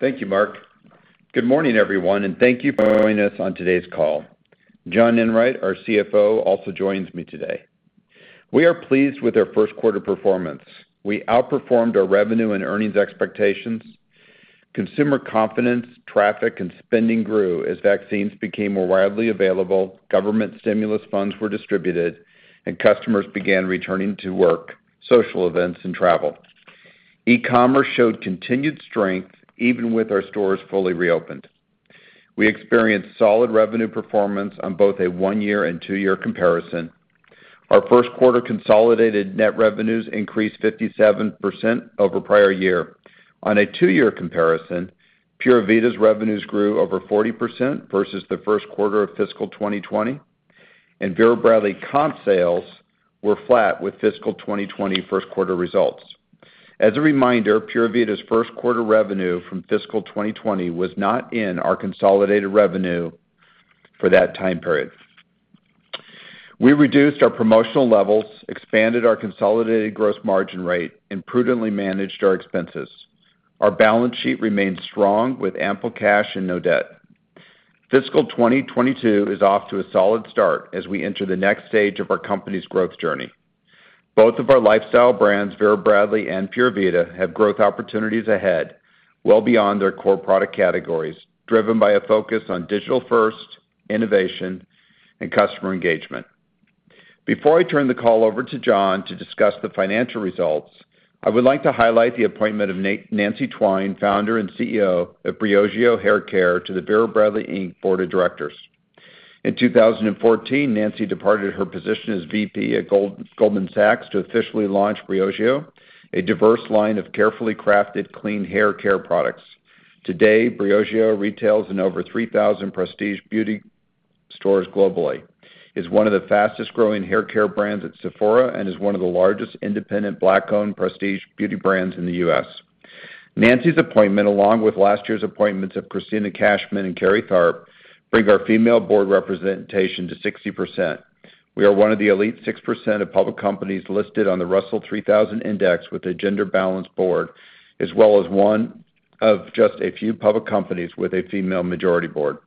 Thank you, Mark. Good morning, everyone, and thank you for joining us on today's call. John Enwright, our CFO, also joins me today. We are pleased with our first quarter performance. We outperformed our revenue and earnings expectations. Consumer confidence, traffic, and spending grew as vaccines became more widely available, government stimulus funds were distributed, and customers began returning to work, social events, and travel. E-commerce showed continued strength even with our stores fully reopened. We experienced solid revenue performance on both a one-year and two-year comparison. Our first quarter consolidated net revenues increased 57% over prior year. On a two-year comparison, Pura Vida's revenues grew over 40% versus the first quarter of fiscal 2020, and Vera Bradley comp sales were flat with fiscal 2020 first quarter results. As a reminder, Pura Vida's first quarter revenue from fiscal 2020 was not in our consolidated revenue for that time period. We reduced our promotional levels, expanded our consolidated gross margin rate, and prudently managed our expenses. Our balance sheet remains strong with ample cash and no debt. Fiscal 2022 is off to a solid start as we enter the next stage of our company's growth journey. Both of our lifestyle brands, Vera Bradley and Pura Vida, have growth opportunities ahead, well beyond their core product categories, driven by a focus on digital-first innovation and customer engagement. Before I turn the call over to John Enwright to discuss the financial results, I would like to highlight the appointment of Nancy Twine, Founder and CEO of Briogeo Hair Care, to the Vera Bradley, Inc. board of directors. In 2014, Nancy departed her position as VP at Goldman Sachs to officially launch Briogeo, a diverse line of carefully crafted clean hair care products. Today, Briogeo retails in over 3,000 prestige beauty stores globally, is one of the fastest-growing hair care brands at Sephora, and is one of the largest independent Black-owned prestige beauty brands in the U.S. Nancy's appointment, along with last year's appointments of Kristina Cashman and Carrie Tharp, bring our female board representation to 60%. We are one of the elite 6% of public companies listed on the Russell 3000 Index with a gender-balanced board, as well as one of just a few public companies with a female majority board.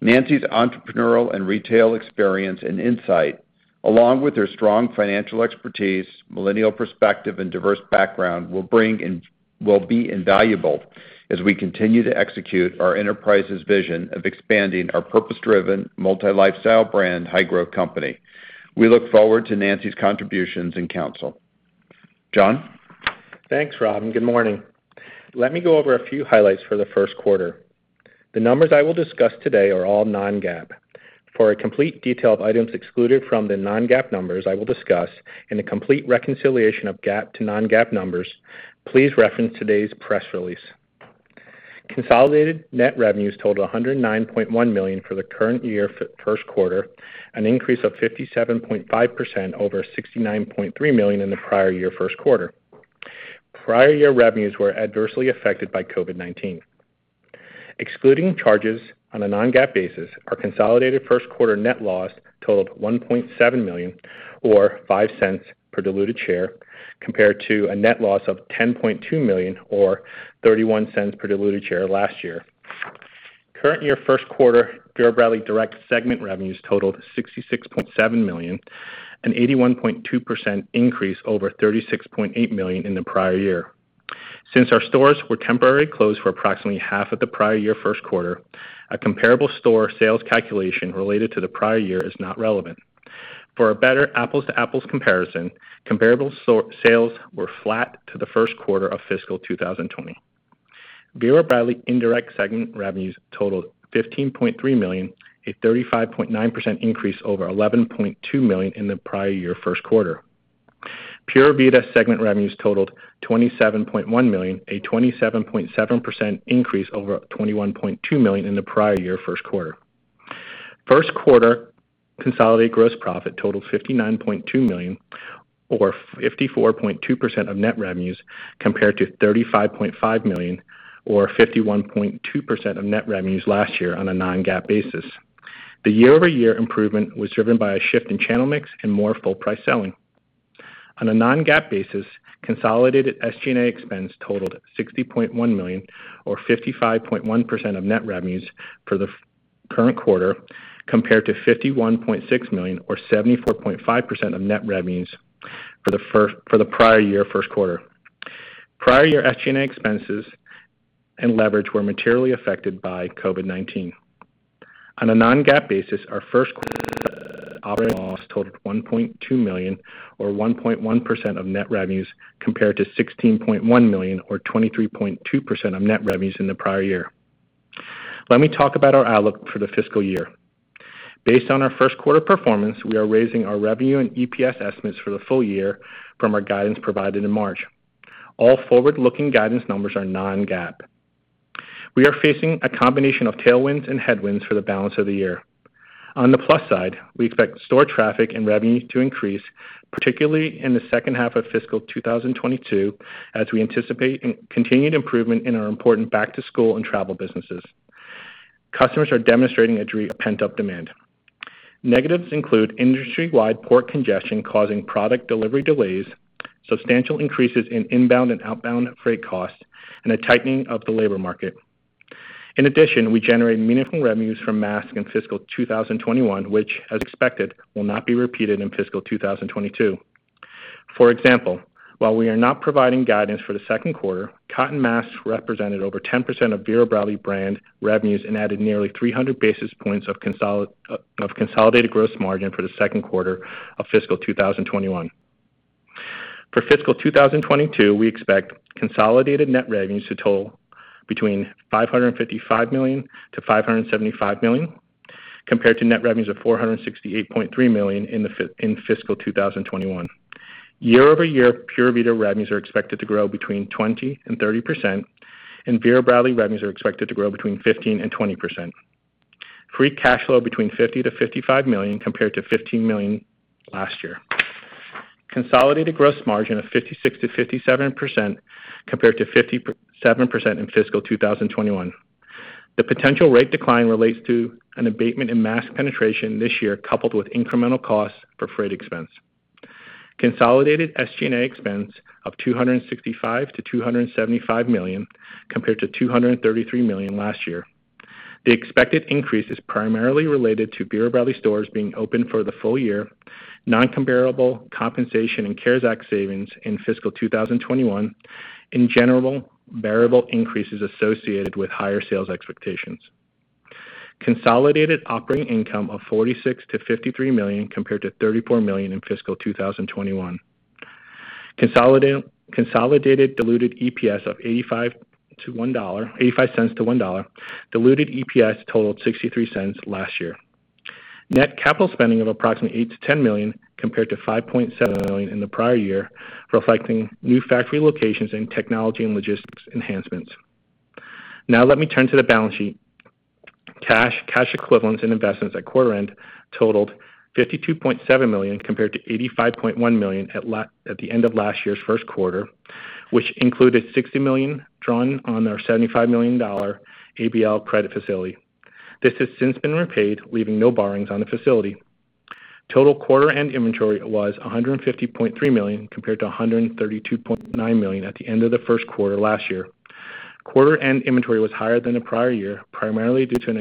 Nancy's entrepreneurial and retail experience and insight, along with her strong financial expertise, millennial perspective, and diverse background, will be invaluable as we continue to execute our enterprise's vision of expanding our purpose-driven, multi-lifestyle brand high-growth company. We look forward to Nancy's contributions and counsel. John? Thanks, Rob. Good morning. Let me go over a few highlights for the first quarter. The numbers I will discuss today are all non-GAAP. For a complete detail of items excluded from the non-GAAP numbers I will discuss and a complete reconciliation of GAAP to non-GAAP numbers, please reference today's press release. Consolidated net revenues totaled $109.1 million for the current year first quarter, an increase of 57.5% over $69.3 million in the prior year first quarter. Prior year revenues were adversely affected by COVID-19. Excluding charges on a non-GAAP basis, our consolidated first quarter net loss totaled $1.7 million or $0.05 per diluted share, compared to a net loss of $10.2 million or $0.31 per diluted share last year. Current year first quarter Vera Bradley direct segment revenues totaled $66.7 million, an 81.2% increase over $36.8 million in the prior year. Since our stores were temporarily closed for approximately half of the prior year first quarter, a comparable store sales calculation related to the prior year is not relevant. For a better apples-to-apples comparison, comparable sales were flat to the first quarter of fiscal 2020. Vera Bradley indirect segment revenues totaled $15.3 million, a 35.9% increase over $11.2 million in the prior year first quarter. Pura Vida segment revenues totaled $27.1 million, a 27.7% increase over $21.2 million in the prior year first quarter. First quarter consolidated gross profit totaled $59.2 million, or 54.2% of net revenues, compared to $35.5 million or 51.2% of net revenues last year on a non-GAAP basis. The year-over-year improvement was driven by a shift in channel mix and more full price selling. On a non-GAAP basis, consolidated SG&A expense totaled $60.1 million or 55.1% of net revenues for the current quarter, compared to $51.6 million or 74.5% of net revenues for the prior year first quarter. Prior year SG&A expenses and leverage were materially affected by COVID-19. On a non-GAAP basis, our first quarter operating loss totaled $1.2 million or 1.1% of net revenues, compared to $16.1 million or 23.2% of net revenues in the prior year. Let me talk about our outlook for the fiscal year. Based on our first quarter performance, we are raising our revenue and EPS estimates for the full year from our guidance provided in March. All forward-looking guidance numbers are non-GAAP. We are facing a combination of tailwinds and headwinds for the balance of the year. On the plus side, we expect store traffic and revenue to increase, particularly in the second half of fiscal 2022, as we anticipate continued improvement in our important back-to-school and travel businesses. Customers are demonstrating a degree of pent-up demand. Negatives include industry-wide port congestion causing product delivery delays, substantial increases in inbound and outbound freight costs, and a tightening of the labor market. In addition, we generated meaningful revenues from masks in fiscal 2021, which as expected, will not be repeated in fiscal 2022. For example, while we are not providing guidance for the second quarter, cotton masks represented over 10% of Vera Bradley brand revenues and added nearly 300 basis points of consolidated gross margin for the second quarter of fiscal 2021. For fiscal 2022, we expect consolidated net revenues to total between $555 million-$575 million, compared to net revenues of $468.3 million in fiscal 2021. Year-over-year, Pura Vida revenues are expected to grow between 20%-30%, and Vera Bradley revenues are expected to grow between 15%-20%. Free cash flow between $50 million-$55 million compared to $15 million last year. Consolidated gross margin of 56%-57%, compared to 57% in fiscal 2021. The potential rate decline relates to an abatement in mask penetration this year, coupled with incremental costs for freight expense. Consolidated SG&A expense of $265 million-$275 million compared to $233 million last year. The expected increase is primarily related to Vera Bradley stores being open for the full year, non-comparable compensation and CARES Act savings in fiscal 2021, and general variable increases associated with higher sales expectations. Consolidated operating income of $46 million-$53 million, compared to $34 million in fiscal 2021. Consolidated diluted EPS of $0.85-$1, diluted EPS totaled $0.63 last year. Net capital spending of approximately $8 million-$10 million, compared to $5.7 million in the prior year, reflecting new factory locations and technology and logistics enhancements. Now let me turn to the balance sheet. Cash, cash equivalents, and investments at quarter end totaled $52.7 million compared to $85.1 million at the end of last year's first quarter, which included $60 million drawn on our $75 million ABL credit facility. This has since been repaid, leaving no borrowings on the facility. Total quarter end inventory was $150.3 million, compared to $132.9 million at the end of the first quarter last year. Quarter end inventory was higher than the prior year, primarily due to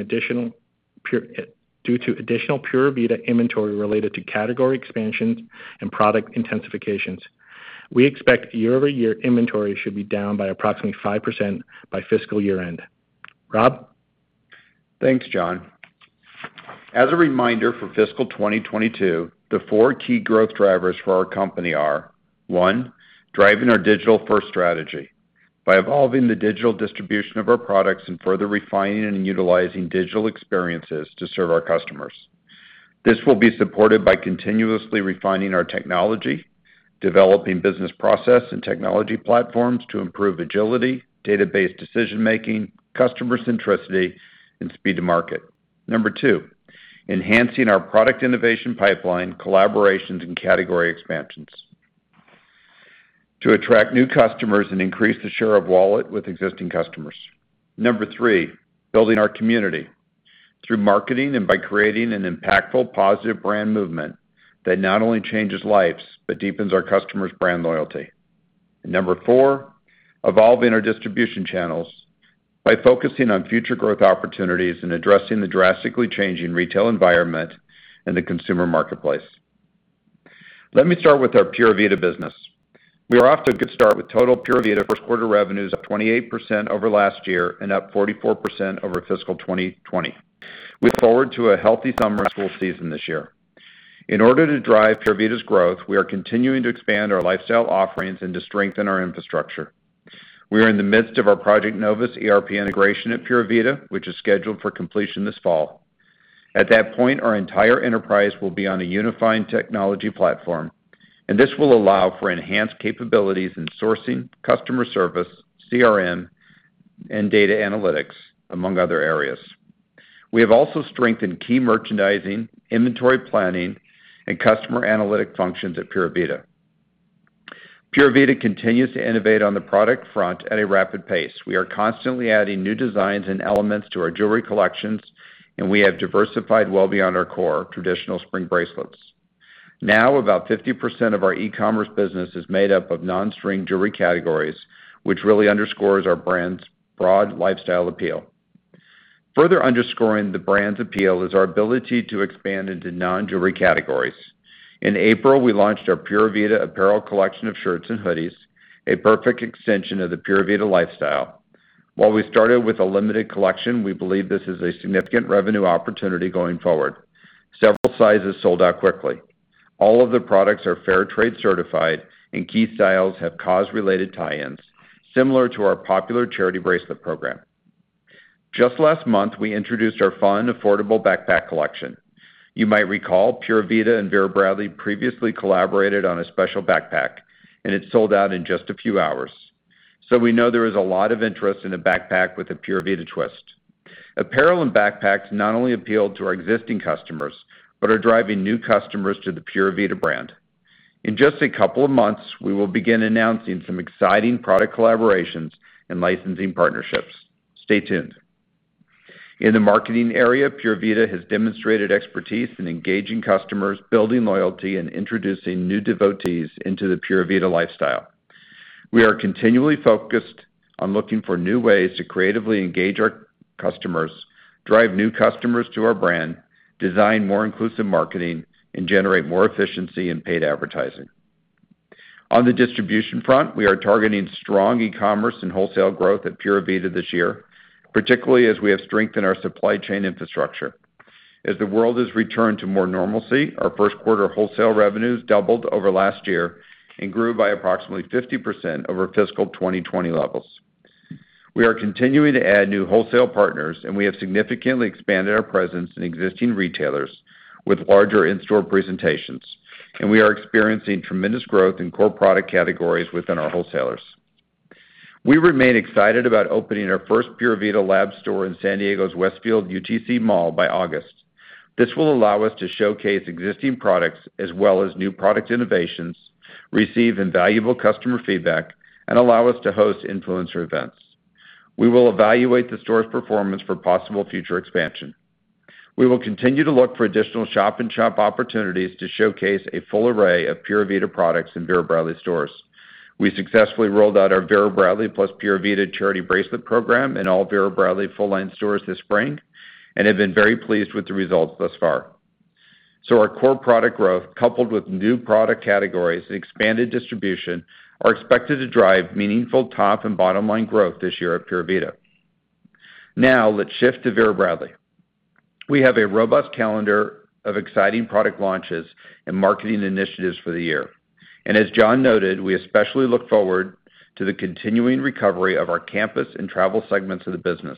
additional Pura Vida inventory related to category expansions and product intensifications. We expect year-over-year inventory should be down by approximately 5% by fiscal year-end. Rob? Thanks, John. As a reminder for fiscal 2022, the four key growth drivers for our company are, one, driving our digital-first strategy by evolving the digital distribution of our products and further refining and utilizing digital experiences to serve our customers. This will be supported by continuously refining our technology, developing business process and technology platforms to improve agility, database decision-making, customer centricity, and speed to market. Two, enhancing our product innovation pipeline, collaborations, and category expansions to attract new customers and increase the share of wallet with existing customers. Three, building our community through marketing and by creating an impactful positive brand movement that not only changes lives but deepens our customers' brand loyalty. Number four, evolving our distribution channels by focusing on future growth opportunities and addressing the drastically changing retail environment and the consumer marketplace. Let me start with our Pura Vida business. We are off to a good start with total Pura Vida first quarter revenues up 28% over last year and up 44% over fiscal 2020. We look forward to a healthy summer school season this year. In order to drive Pura Vida's growth, we are continuing to expand our lifestyle offerings and to strengthen our infrastructure. We are in the midst of our Project Novus ERP integration at Pura Vida, which is scheduled for completion this fall. At that point, our entire enterprise will be on a unifying technology platform, and this will allow for enhanced capabilities in sourcing, customer service, CRM, and data analytics, among other areas. We have also strengthened key merchandising, inventory planning, and customer analytic functions at Pura Vida. Pura Vida continues to innovate on the product front at a rapid pace. We are constantly adding new designs and elements to our jewelry collections, and we have diversified well beyond our core traditional string bracelets. Now, about 50% of our e-commerce business is made up of non-string jewelry categories, which really underscores our brand's broad lifestyle appeal. Further underscoring the brand's appeal is our ability to expand into non-jewelry categories. In April, we launched our Pura Vida apparel collection of shirts and hoodies, a perfect extension of the Pura Vida lifestyle. While we started with a limited collection, we believe this is a significant revenue opportunity going forward. Several sizes sold out quickly. All of the products are Fair Trade certified, and key styles have cause-related tie-ins, similar to our popular charity bracelet program. Just last month, we introduced our fun, affordable backpack collection. You might recall Pura Vida and Vera Bradley previously collaborated on a special backpack. It sold out in just a few hours. We know there is a lot of interest in a backpack with a Pura Vida twist. Apparel and backpacks not only appeal to our existing customers but are driving new customers to the Pura Vida brand. In just a couple of months, we will begin announcing some exciting product collaborations and licensing partnerships. Stay tuned. In the marketing area, Pura Vida has demonstrated expertise in engaging customers, building loyalty, and introducing new devotees into the Pura Vida lifestyle. We are continually focused on looking for new ways to creatively engage our customers, drive new customers to our brand, design more inclusive marketing, and generate more efficiency in paid advertising. On the distribution front, we are targeting strong e-commerce and wholesale growth at Pura Vida this year, particularly as we have strengthened our supply chain infrastructure. As the world has returned to more normalcy, our 1st quarter wholesale revenues doubled over last year and grew by approximately 50% over fiscal 2020 levels. We are continuing to add new wholesale partners. We have significantly expanded our presence in existing retailers with larger in-store presentations. We are experiencing tremendous growth in core product categories within our wholesalers. We remain excited about opening our first Pura Vida Lab store in San Diego's Westfield UTC Mall by August. This will allow us to showcase existing products as well as new product innovations, receive invaluable customer feedback. Allow us to host influencer events. We will evaluate the store's performance for possible future expansion. We will continue to look for additional shop-in-shop opportunities to showcase a full array of Pura Vida products in Vera Bradley stores. We successfully rolled out our Vera Bradley plus Pura Vida charity bracelet program in all Vera Bradley full-line stores this spring and have been very pleased with the results thus far. Our core product growth, coupled with new product categories and expanded distribution, are expected to drive meaningful top and bottom-line growth this year at Pura Vida. Now let's shift to Vera Bradley. We have a robust calendar of exciting product launches and marketing initiatives for the year. As John noted, we especially look forward to the continuing recovery of our campus and travel segments of the business.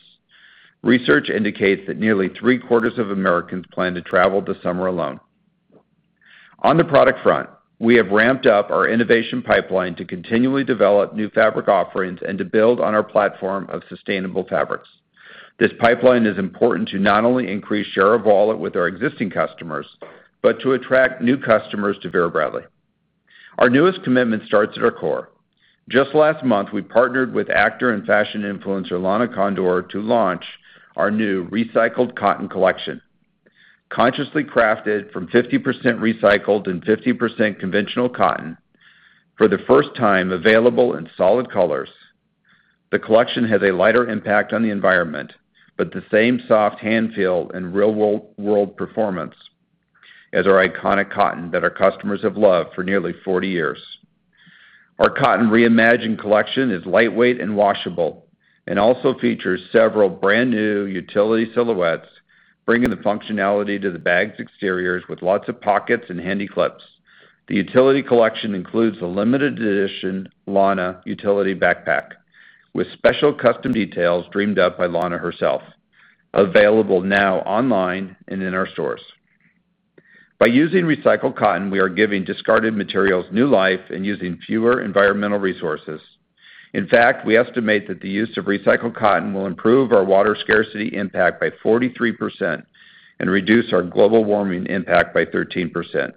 Research indicates that nearly three-quarters of Americans plan to travel this summer alone. On the product front, we have ramped up our innovation pipeline to continually develop new fabric offerings and to build on our platform of sustainable fabrics. This pipeline is important to not only increase share of wallet with our existing customers, but to attract new customers to Vera Bradley. Our newest commitment starts at our core. Just last month, we partnered with actor and fashion influencer Lana Condor to launch our new recycled cotton collection. Consciously crafted from 50% recycled and 50% conventional cotton, for the first time available in solid colors. The collection has a lighter impact on the environment, but the same soft hand feel and real-world performance as our iconic cotton that our customers have loved for nearly 40 years. Our Cotton ReImagined collection is lightweight and washable and also features several brand-new utility silhouettes, bringing the functionality to the bags' exteriors with lots of pockets and handy clips. The utility collection includes a limited edition Lana Utility Backpack with special custom details dreamed up by Lana herself, available now online and in our stores. By using recycled cotton, we are giving discarded materials new life and using fewer environmental resources. In fact, we estimate that the use of recycled cotton will improve our water scarcity impact by 43% and reduce our global warming impact by 13%.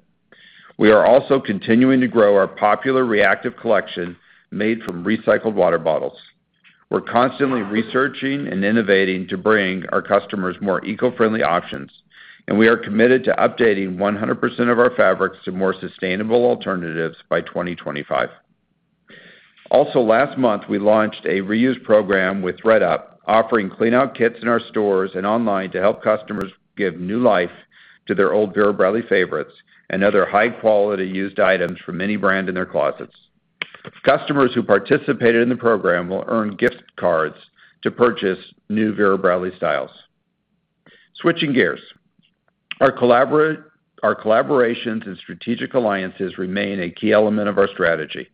We are also continuing to grow our popular ReActive collection made from recycled water bottles. We're constantly researching and innovating to bring our customers more eco-friendly options, and we are committed to updating 100% of our fabrics to more sustainable alternatives by 2025. Also last month, we launched a reuse program with thredUP, offering clean-out kits in our stores and online to help customers give new life to their old Vera Bradley favorites and other high-quality used items from any brand in their closets. Customers who participated in the program will earn gift cards to purchase new Vera Bradley styles. Switching gears, our collaborations and strategic alliances remain a key element of our strategy.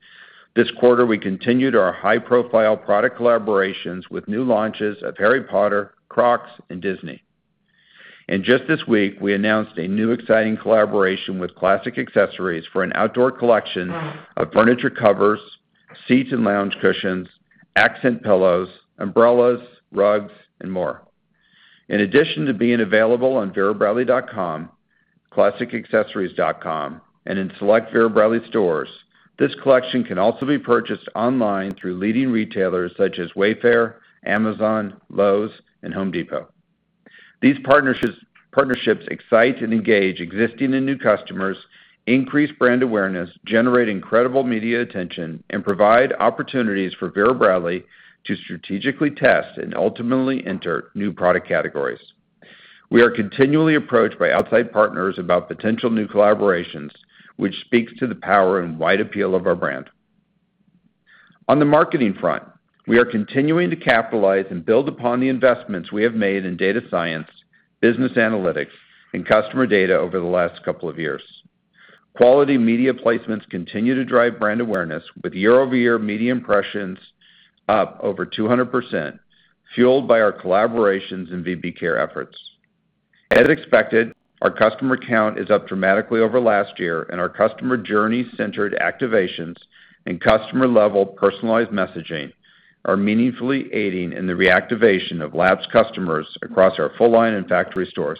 This quarter, we continued our high-profile product collaborations with new launches of Harry Potter, Crocs, and Disney. Just this week, we announced a new exciting collaboration with Classic Accessories for an outdoor collection of furniture covers, seats and lounge cushions, accent pillows, umbrellas, rugs, and more. In addition to being available on verabradley.com, classicaccessories.com, and in select Vera Bradley stores, this collection can also be purchased online through leading retailers such as Wayfair, Amazon, Lowe's, and Home Depot. These partnerships excite and engage existing and new customers, increase brand awareness, generate incredible media attention, and provide opportunities for Vera Bradley to strategically test and ultimately enter new product categories. We are continually approached by outside partners about potential new collaborations, which speaks to the power and wide appeal of our brand. On the marketing front, we are continuing to capitalize and build upon the investments we have made in data science, business analytics, and customer data over the last couple of years. Quality media placements continue to drive brand awareness with year-over-year media impressions up over 200%, fueled by our collaborations and VB Cares efforts. As expected, our customer count is up dramatically over last year, and our customer journey-centered activations and customer-level personalized messaging are meaningfully aiding in the reactivation of lapsed customers across our full-line and factory stores.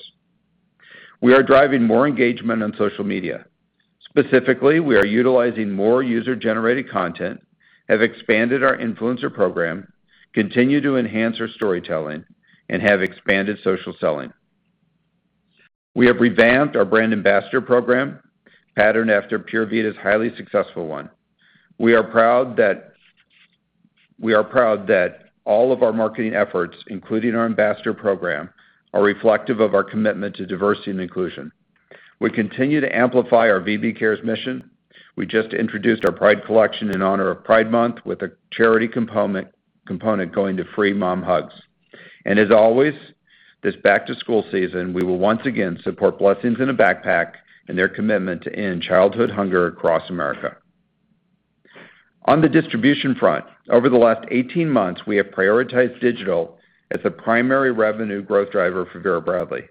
We are driving more engagement on social media. Specifically, we are utilizing more user-generated content, have expanded our influencer program, continue to enhance our storytelling, and have expanded social selling. We have revamped our brand ambassador program, patterned after Pura Vida's highly successful one. We are proud that all of our marketing efforts, including our ambassador program, are reflective of our commitment to diversity and inclusion. We continue to amplify our VB Cares mission. We just introduced our Pride collection in honor of Pride Month, with a charity component going to Free Mom Hugs. As always, this back-to-school season, we will once again support Blessings in a Backpack and their commitment to end childhood hunger across America. On the distribution front, over the last 18 months, we have prioritized digital as the primary revenue growth driver for Vera Bradley,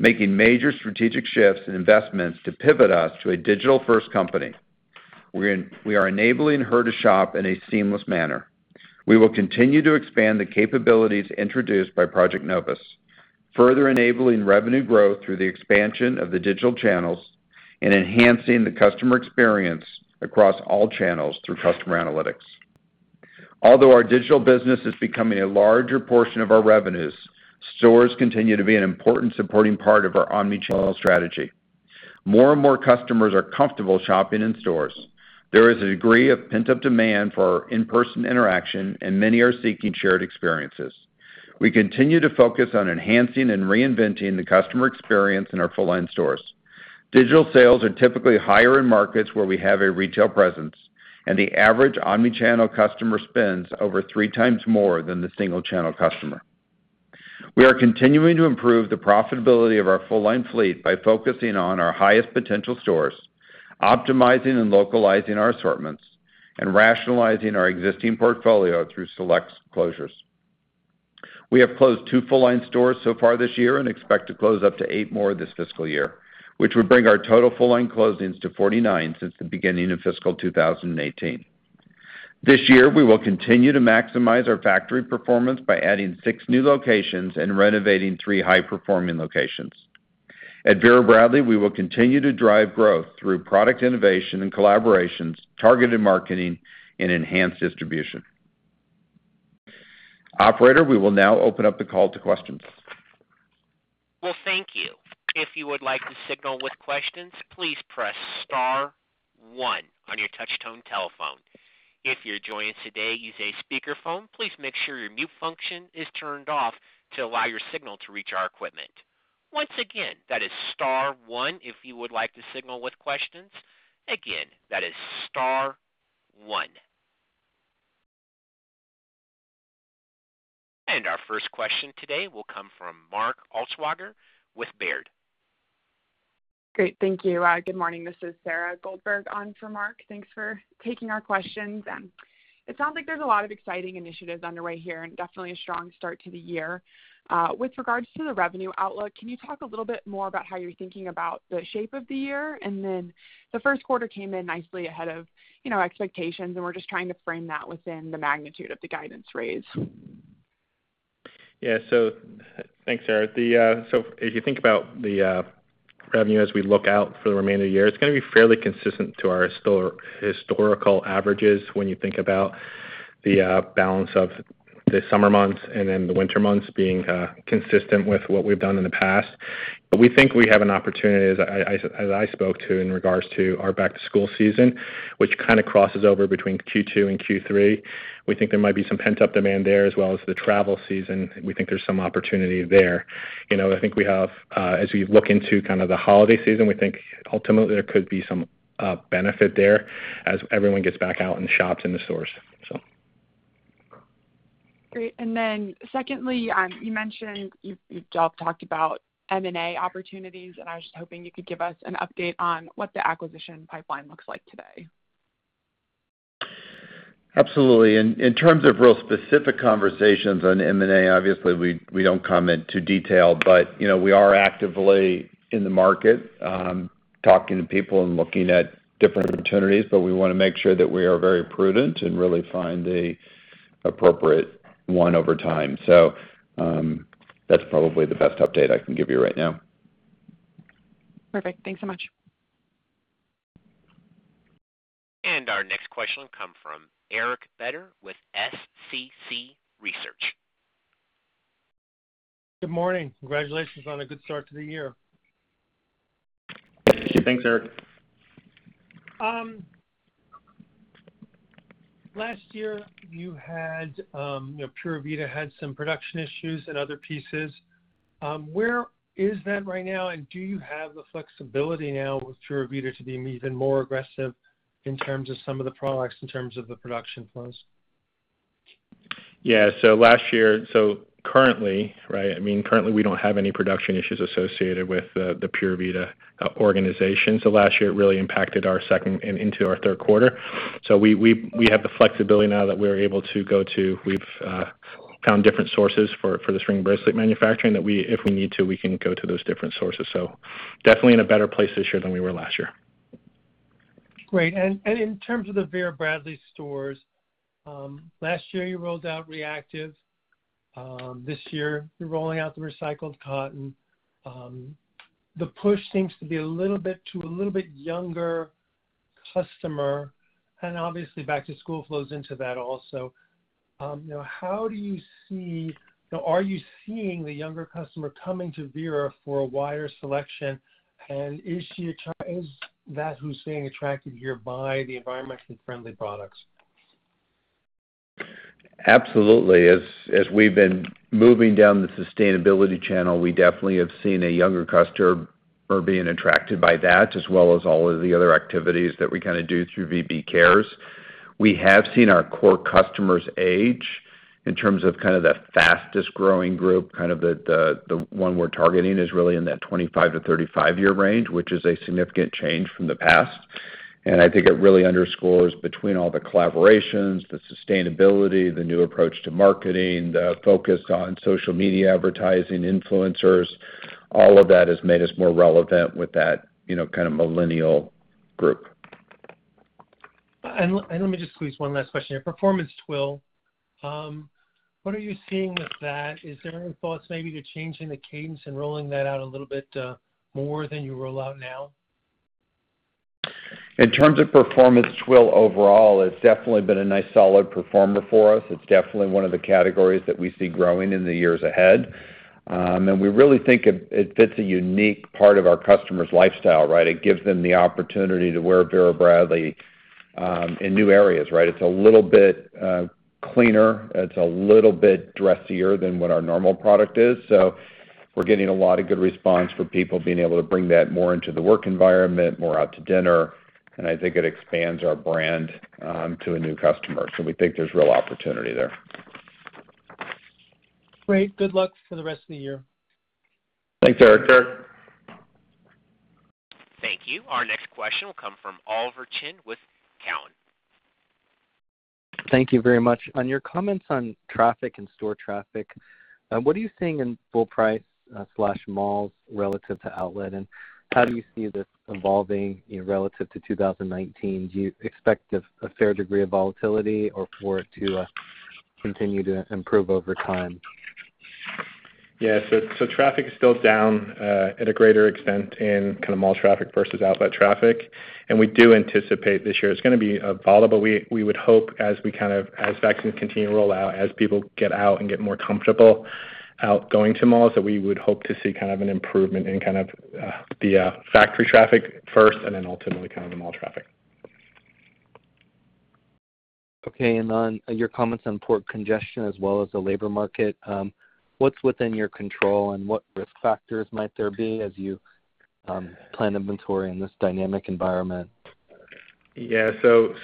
making major strategic shifts and investments to pivot us to a digital-first company. We are enabling her to shop in a seamless manner. We will continue to expand the capabilities introduced by Project Novus, further enabling revenue growth through the expansion of the digital channels and enhancing the customer experience across all channels through customer analytics. Although our digital business is becoming a larger portion of our revenues, stores continue to be an important supporting part of our omnichannel strategy. More and more customers are comfortable shopping in stores. There is a degree of pent-up demand for in-person interaction, and many are seeking shared experiences. We continue to focus on enhancing and reinventing the customer experience in our full-line stores. Digital sales are typically higher in markets where we have a retail presence, and the average omnichannel customer spends over 3x more than the single-channel customer. We are continuing to improve the profitability of our full-line fleet by focusing on our highest potential stores, optimizing and localizing our assortments, and rationalizing our existing portfolio through select closures. We have closed two full-line stores so far this year and expect to close up to eight more this fiscal year, which would bring our total full-line closings to 49 since the beginning of fiscal 2018. This year, we will continue to maximize our factory performance by adding six new locations and renovating three high-performing locations. At Vera Bradley, we will continue to drive growth through product innovation and collaborations, targeted marketing, and enhanced distribution. Operator, we will now open up the call to questions. Well, thank you. If you would like to signal with questions, please press star one on your touchtone telephone. If you're joined today, using a speaker phone, please make sure your mute function is turned off to allow your signal to reach our equipment. Once again, that is star one if you would like to signal with questions. Again, that is star one. Our first question today will come from Mark Altschwager with Baird. Great, thank you. Good morning. This is Sarah Goldberg on for Mark. Thanks for taking our questions. It sounds like there's a lot of exciting initiatives underway here and definitely a strong start to the year. With regards to the revenue outlook, can you talk a little bit more about how you're thinking about the shape of the year? The first quarter came in nicely ahead of expectations, and we're just trying to frame that within the magnitude of the guidance raise. Yeah. Thanks, Sarah. If you think about the revenue as we look out for the remainder of the year, it's going to be fairly consistent to our historical averages when you think about the balance of the summer months and then the winter months being consistent with what we've done in the past. We think we have an opportunity, as I spoke to in regards to our back-to-school season, which kind of crosses over between Q2 and Q3. We think there might be some pent-up demand there as well as the travel season. We think there's some opportunity there. I think as we look into the holiday season, we think ultimately there could be some benefit there as everyone gets back out and shops in the stores. Great. Secondly, you mentioned, you've talked about M&A opportunities, and I was just hoping you could give us an update on what the acquisition pipeline looks like today. Absolutely. In terms of real specific conversations on M&A, obviously, we don't comment too detailed, but we are actively in the market, talking to people and looking at different opportunities. We want to make sure that we are very prudent and really find the appropriate one over time. That's probably the best update I can give you right now. Perfect. Thanks so much. Our next question will come from Eric Beder with SCC Research. Good morning. Congratulations on a good start to the year. Thanks, Eric. Last year, Pura Vida had some production issues and other pieces. Where is that right now, and do you have the flexibility now with Pura Vida to be even more aggressive in terms of some of the products, in terms of the production flows? Yeah. Currently, we don't have any production issues associated with the Pura Vida organization. Last year, it really impacted our second into our third quarter. We have the flexibility now that we are able to go to. We've found different sources for the string bracelet manufacturing that if we need to, we can go to those different sources. Definitely in a better place this year than we were last year. Great. In terms of the Vera Bradley stores, last year you rolled out ReActive. This year, you're rolling out the recycled cotton. The push seems to be to a little bit younger customer, and obviously back to school flows into that also. Are you seeing the younger customer coming to Vera for a wider selection, and is that who's being attracted here by the environmentally friendly products? Absolutely. As we've been moving down the sustainability channel, we definitely have seen a younger customer being attracted by that, as well as all of the other activities that we do through VB Cares. We have seen our core customers age in terms of that fastest growing group. The one we're targeting is really in that 25-35-year range, which is a significant change from the past. I think it really underscores between all the collaborations, the sustainability, the new approach to marketing, the focus on social media advertising influencers, all of that has made us more relevant with that millennial group. Let me just please, one last question here. Performance Twill. What are you seeing with that? Is there any thoughts maybe to changing the cadence and rolling that out a little bit more than you roll out now? In terms of Performance Twill overall, it's definitely been a nice solid performer for us. It's definitely one of the categories that we see growing in the years ahead. We really think it fits a unique part of our customer's lifestyle, right. It gives them the opportunity to wear Vera Bradley, in new areas, right. It's a little bit cleaner. It's a little bit dressier than what our normal product is. We're getting a lot of good response from people being able to bring that more into the work environment, more out to dinner, and I think it expands our brand to a new customer. We think there's real opportunity there. Great. Good luck for the rest of the year. Thanks, Eric. Thank you. Our next question will come from Oliver Chen with Cowen. Thank you very much. On your comments on traffic and store traffic, what are you seeing in full price/malls relative to outlet? How do you see this evolving relative to 2019? Do you expect a fair degree of volatility or for it to continue to improve over time? Yeah. Traffic is still down at a greater extent in mall traffic versus outlet traffic, and we do anticipate this year it's going to be volatile. We would hope as vaccines continue to roll out, as people get out and get more comfortable out going to malls, that we would hope to see an improvement in the factory traffic first and then ultimately mall traffic. Okay. On your comments on port congestion as well as the labor market, what's within your control and what risk factors might there be as you plan inventory in this dynamic environment? Yeah.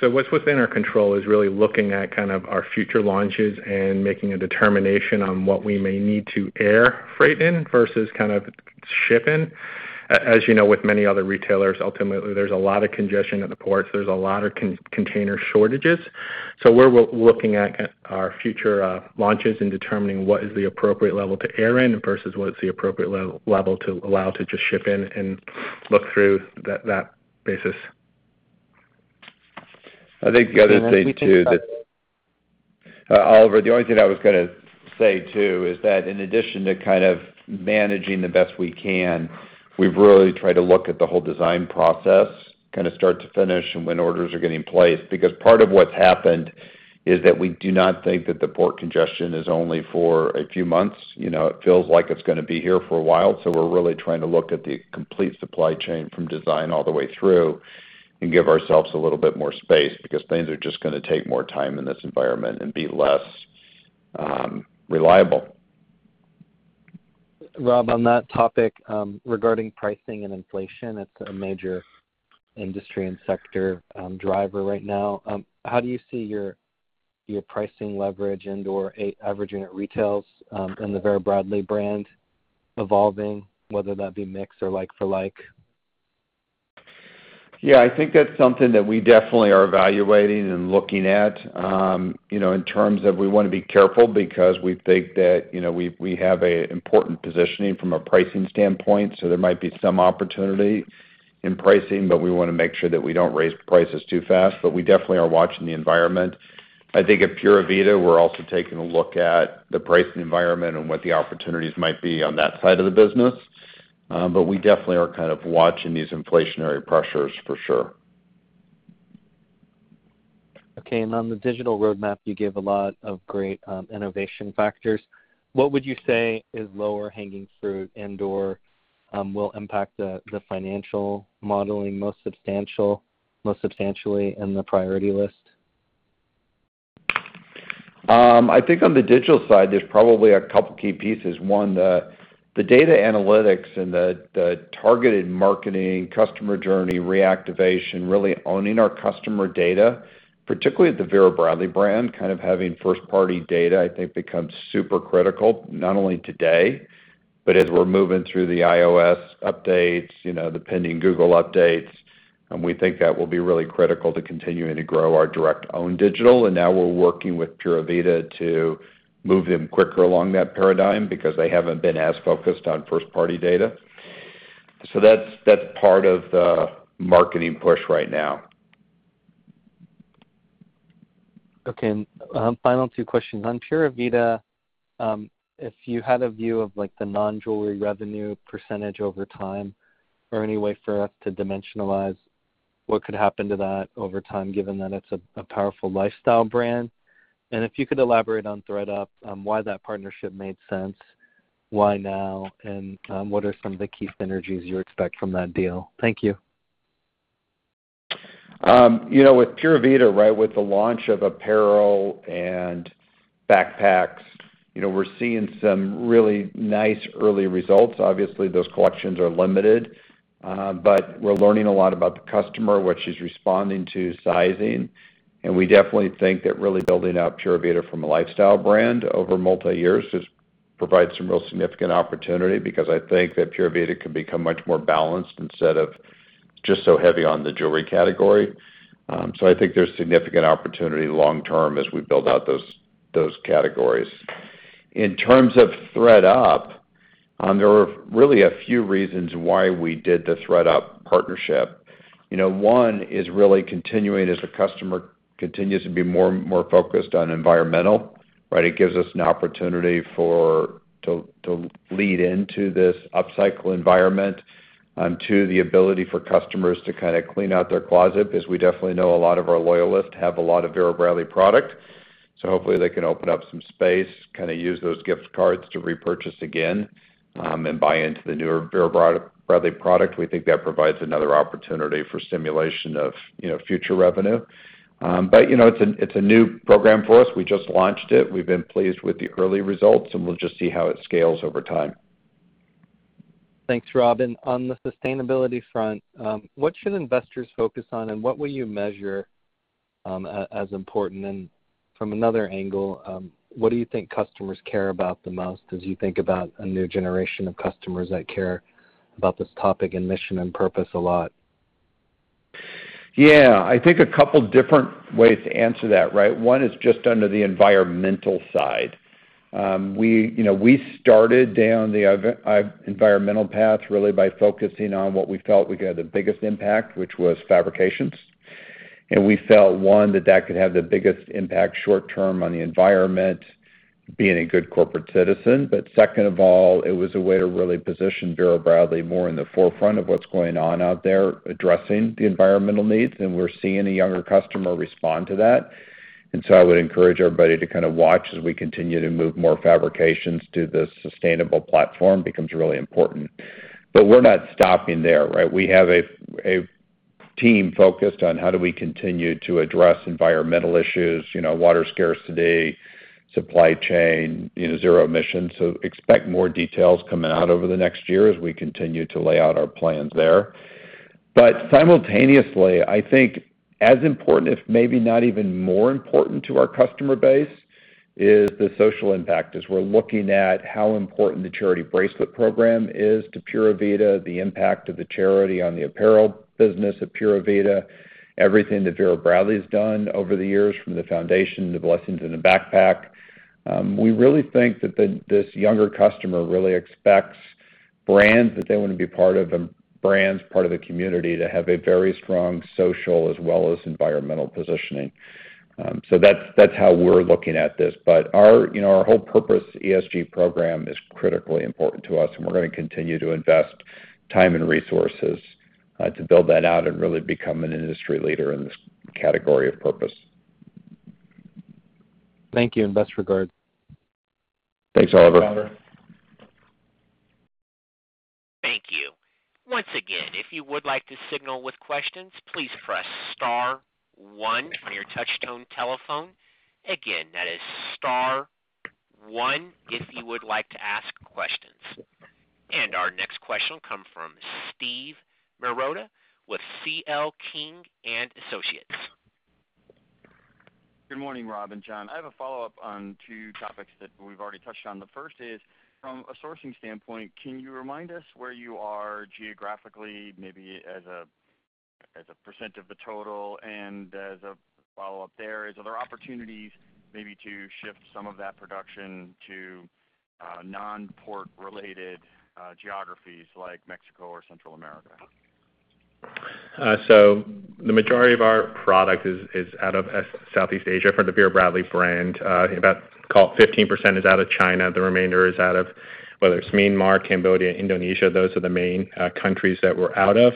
What's within our control is really looking at our future launches and making a determination on what we may need to air freight in versus ship in. As you know, with many other retailers, ultimately, there's a lot of congestion at the ports. There's a lot of container shortages. We're looking at our future launches and determining what is the appropriate level to air in versus what is the appropriate level to allow to just ship in and look through that basis. Oliver, the only thing I was going to say, too, is that in addition to managing the best we can, we've really tried to look at the whole design process start to finish and when orders are getting placed. Because part of what's happened is that we do not think that the port congestion is only for a few months. It feels like it's going to be here for a while. We're really trying to look at the complete supply chain from design all the way through and give ourselves a little bit more space because things are just going to take more time in this environment and be less reliable. Rob, on that topic, regarding pricing and inflation, it's a major industry and sector driver right now. How do you see your pricing leverage and/or averaging at retails, in the Vera Bradley brand evolving, whether that be mix or like for like? Yeah, I think that's something that we definitely are evaluating and looking at, in terms of we want to be careful because we think that we have an important positioning from a pricing standpoint. There might be some opportunity in pricing. We want to make sure that we don't raise prices too fast. We definitely are watching the environment. I think at Pura Vida, we're also taking a look at the pricing environment and what the opportunities might be on that side of the business. We definitely are watching these inflationary pressures for sure. Okay. On the digital roadmap, you gave a lot of great innovation factors. What would you say is lower hanging fruit and/or will impact the financial modeling most substantially in the priority list? I think on the digital side, there's probably a couple key pieces. One, the data analytics and the targeted marketing, customer journey reactivation, really owning our customer data, particularly at the Vera Bradley brand, having first-party data I think becomes super critical. Not only today, but as we're moving through the iOS updates, the pending Google updates. We think that will be really critical to continuing to grow our direct own digital. Now we're working with Pura Vida to move them quicker along that paradigm because they haven't been as focused on first-party data. That's part of the marketing push right now. Okay. Final two questions. On Pura Vida, if you had a view of the non-jewelry revenue percentage over time, or any way for us to dimensionalize what could happen to that over time, given that it's a powerful lifestyle brand. If you could elaborate on thredUP, why that partnership made sense, why now, and what are some of the key synergies you expect from that deal? Thank you. With Pura Vida, with the launch of apparel and backpacks, we're seeing some really nice early results. Obviously, those collections are limited. We're learning a lot about the customer, what she's responding to, sizing. We definitely think that really building out Pura Vida from a lifestyle brand over multi-years just provides some real significant opportunity, because I think that Pura Vida can become much more balanced instead of just so heavy on the jewelry category. I think there's significant opportunity long term as we build out those categories. In terms of thredUP, there were really a few reasons why we did the thredUP partnership. One is really continuing as the customer continues to be more focused on environmental. It gives us an opportunity to lead into this upcycle environment. Two, the ability for customers to clean out their closet, because we definitely know a lot of our loyalists have a lot of Vera Bradley product. Hopefully they can open up some space, use those gift cards to repurchase again, and buy into the newer Vera Bradley product. We think that provides another opportunity for stimulation of future revenue. It's a new program for us. We just launched it. We've been pleased with the early results, and we'll just see how it scales over time. Thanks, Rob. On the sustainability front, what should investors focus on, and what will you measure as important? From another angle, what do you think customers care about the most as you think about a new generation of customers that care about this topic and mission and purpose a lot? Yeah. I think a couple different ways to answer that. One is just under the environmental side. We started down the environmental path really by focusing on what we felt would have the biggest impact, which was fabrications. We felt, one, that could have the biggest impact short term on the environment, being a good corporate citizen. Second of all, it was a way to really position Vera Bradley more in the forefront of what's going on out there, addressing the environmental needs, and we're seeing a younger customer respond to that. I would encourage everybody to watch as we continue to move more fabrications to the sustainable platform, becomes really important. We're not stopping there. We have a team focused on how do we continue to address environmental issues, water scarcity, supply chain, zero emissions. Expect more details coming out over the next year as we continue to lay out our plans there. Simultaneously, I think as important, if maybe not even more important to our customer base, is the social impact, as we're looking at how important the charity bracelet program is to Pura Vida, the impact of the charity on the apparel business of Pura Vida, everything that Vera Bradley's done over the years, from the foundation to Blessings in a Backpack. We really think that this younger customer really expects brands that they want to be part of, and brands part of the community to have a very strong social as well as environmental positioning. That's how we're looking at this. Our whole purpose ESG program is critically important to us, and we're going to continue to invest time and resources to build that out and really become an industry leader in this category of purpose. Thank you, and best regards. Thanks, Oliver. Thank you. Once again, if you would like to signal with questions, please press star one on your touchtone telephone. Again, that is star one if you would like to ask questions. Our next question will come from Steve Marotta with C.L. King & Associates. Good morning, Rob and John. I have a follow-up on two topics that we've already touched on. The first is, from a sourcing standpoint, can you remind us where you are geographically, maybe as a percent of the total? As a follow-up there, are there opportunities maybe to shift some of that production to non-port related geographies like Mexico or Central America? The majority of our product is out of Southeast Asia for the Vera Bradley brand. About 15% is out of China. The remainder is out of whether it's Myanmar, Cambodia, Indonesia. Those are the main countries that we're out of.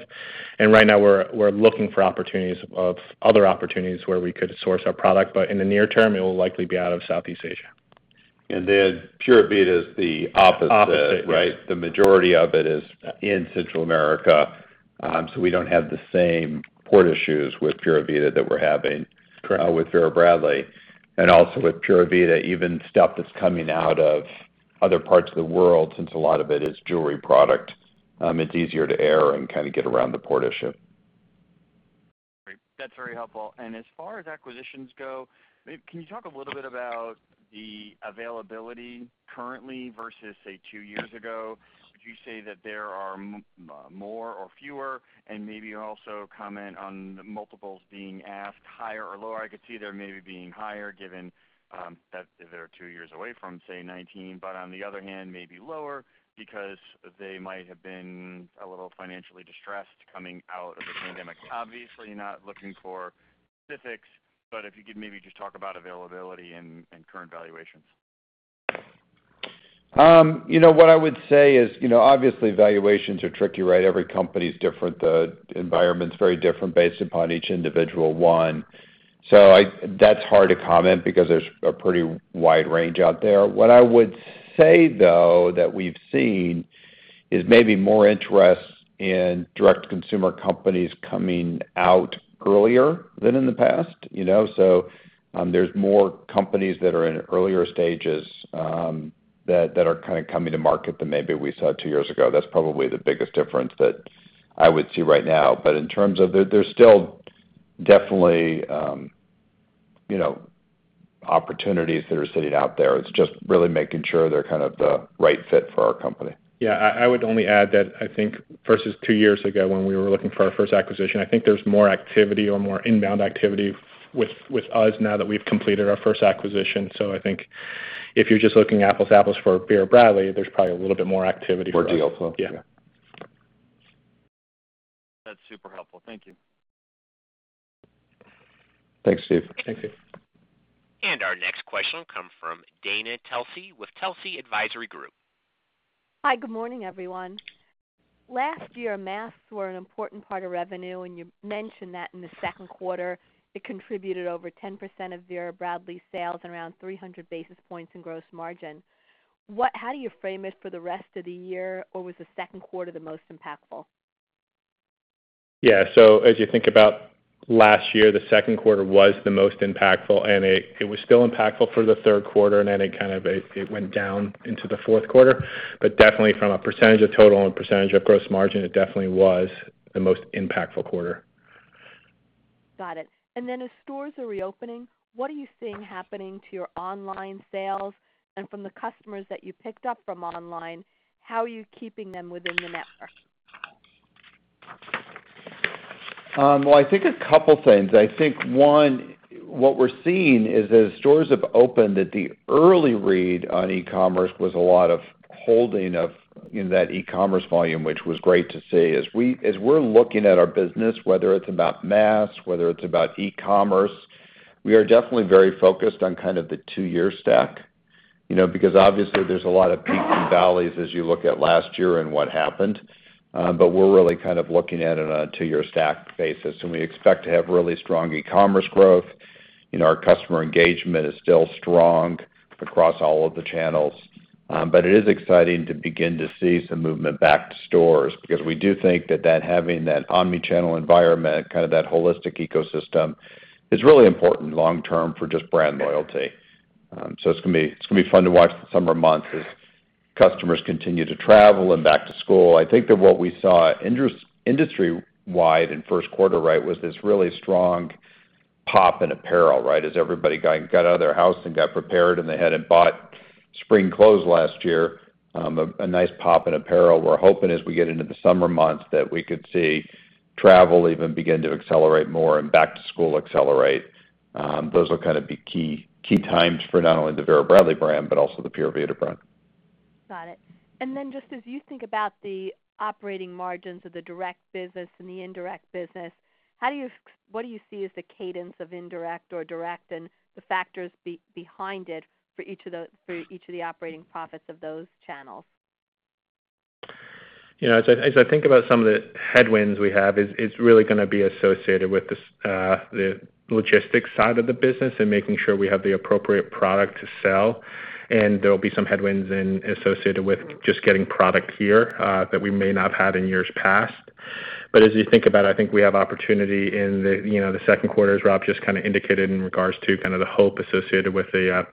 Right now, we're looking for other opportunities where we could source our product. In the near term, it will likely be out of Southeast Asia. Pura Vida is the opposite. Opposite. The majority of it is in Central America. We don't have the same port issues with Pura Vida that we're having with Vera Bradley. Also with Pura Vida, even stuff that's coming out of other parts of the world, since a lot of it is jewelry product, it's easier to air and get around the port issue. Great. That's very helpful. As far as acquisitions go, can you talk a little bit about the availability currently versus, say, two years ago? Would you say that there are more or fewer? Maybe also comment on the multiples being asked, higher or lower? I could see there maybe being higher given that they're two years away from, say, 2019. On the other hand, maybe lower because they might have been a little financially distressed coming out of the pandemic. Obviously, not looking for specifics, but if you could maybe just talk about availability and current valuations. What I would say is, obviously valuations are tricky, right? Every company's different. The environment's very different based upon each individual one. That's hard to comment because there's a pretty wide range out there. What I would say, though, that we've seen, is maybe more interest in direct-to-consumer companies coming out earlier than in the past. There's more companies that are in earlier stages that are kind of coming to market than maybe we saw two years ago. That's probably the biggest difference that I would see right now. There's still definitely opportunities that are sitting out there. It's just really making sure they're the right fit for our company. I would only add that I think versus two years ago when we were looking for our first acquisition, I think there's more activity or more inbound activity with us now that we've completed our first acquisition. I think if you're just looking apples for apples for Vera Bradley, there's probably a little bit more activity for us. More deal flow. Yeah. That's super helpful. Thank you. Thanks, Steve. Thanks, Steve. Our next question will come from Dana Telsey with Telsey Advisory Group. Hi, good morning, everyone. Last year, masks were an important part of revenue. You mentioned that in the second quarter it contributed over 10% of Vera Bradley sales and around 300 basis points in gross margin. How do you frame it for the rest of the year, or was the second quarter the most impactful? Yeah. As you think about last year, the second quarter was the most impactful, and it was still impactful for the third quarter, and then it kind of went down into the fourth quarter. Definitely from a percentage of total and percentage of gross margin, it definitely was the most impactful quarter. Got it. As stores are reopening, what are you seeing happening to your online sales? From the customers that you picked up from online, how are you keeping them within the network? Well, I think a couple things. I think one, what we're seeing is as stores have opened, that the early read on e-commerce was a lot of holding of that e-commerce volume, which was great to see. As we're looking at our business, whether it's about masks, whether it's about e-commerce, we are definitely very focused on kind of the two-year stack. Obviously, there's a lot of peaks and valleys as you look at last year and what happened. We're really kind of looking at it on a two-year stack basis, and we expect to have really strong e-commerce growth. Our customer engagement is still strong across all of the channels. It is exciting to begin to see some movement back to stores, because we do think that having that omni-channel environment, kind of that holistic ecosystem, is really important long term for just brand loyalty. It's going to be fun to watch the summer months as customers continue to travel and back to school. I think that what we saw industry-wide in first quarter, right, was this really strong pop in apparel, right? As everybody got out of their house and got prepared, and they hadn't bought spring clothes last year, a nice pop in apparel. We're hoping as we get into the summer months that we could see travel even begin to accelerate more and back-to-school accelerate. Those will kind of be key times for not only the Vera Bradley brand, but also the Pura Vida brand. Got it. Just as you think about the operating margins of the direct business and the indirect business, what do you see as the cadence of indirect or direct and the factors behind it for each of the operating profits of those channels? As I think about some of the headwinds we have, it's really going to be associated with the logistics side of the business and making sure we have the appropriate product to sell. There'll be some headwinds associated with just getting product here that we may not have had in years past. As you think about it, I think we have opportunity in the second quarter, as Rob just kind of indicated, in regards to kind of the hope associated with the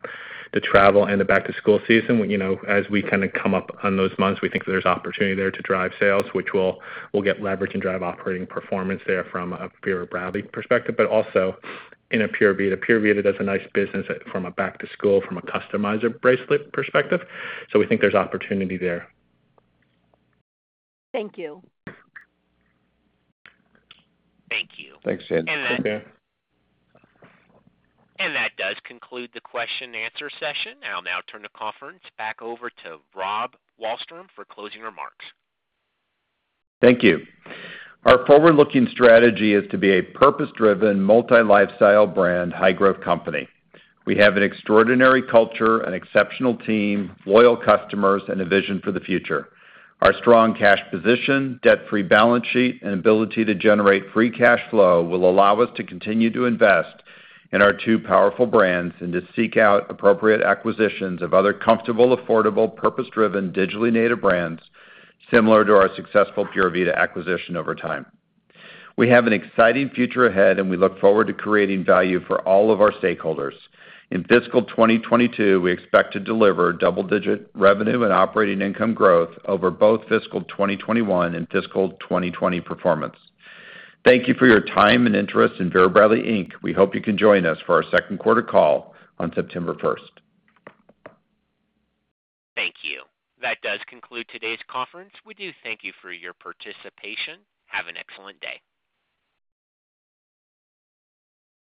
travel and the back-to-school season. As we kind of come up on those months, we think that there's opportunity there to drive sales, which will get leverage and drive operating performance there from a Vera Bradley perspective, but also in a Pura Vida. Pura Vida does a nice business from a back to school, from a customizer bracelet perspective. We think there's opportunity there. Thank you. Thank you. Thanks, Dana. Thank you. That does conclude the Question-and-Answer session. I'll now turn the conference back over to Rob Wallstrom for closing remarks. Thank you. Our forward-looking strategy is to be a purpose-driven, multi-lifestyle brand, high-growth company. We have an extraordinary culture, an exceptional team, loyal customers, and a vision for the future. Our strong cash position, debt-free balance sheet, and ability to generate free cash flow will allow us to continue to invest in our two powerful brands and to seek out appropriate acquisitions of other comfortable, affordable, purpose-driven, digitally native brands similar to our successful Pura Vida acquisition over time. We have an exciting future ahead, and we look forward to creating value for all of our stakeholders. In fiscal 2022, we expect to deliver double-digit revenue and operating income growth over both fiscal 2021 and fiscal 2020 performance. Thank you for your time and interest in Vera Bradley Inc. We hope you can join us for our second quarter call on September 1st. Thank you. That does conclude today's conference. We do thank you for your participation. Have an excellent day.